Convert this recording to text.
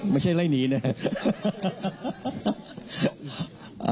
ไม่ใช่ไล่หนีนะ